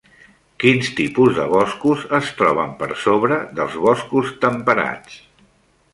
Quins tipus de boscos es troben per sobre dels boscos temperats?